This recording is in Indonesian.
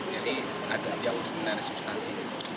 jadi agak jauh sebenarnya substansi